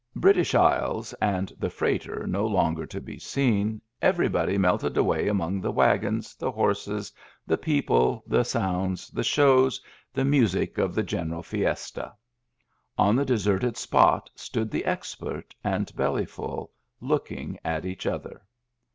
British Isles and the freighter no longer to be seen, everybody melted away among the wagons, the horses, the people, the sounds, the shows, the music of the general y£^^/^?. On the deserted spot stood the expert and Bellyful, looking at each other.